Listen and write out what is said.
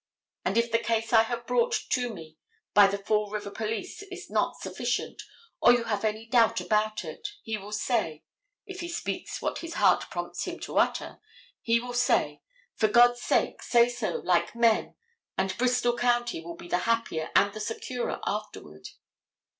And if the case I have brought to me by the Fall River police is not sufficient, or you have any doubt about it, he will say, if he speaks what his heart prompts him to utter, he will say, "For God's sake, say so, like men, and Bristol county will be the happier and the securer afterward."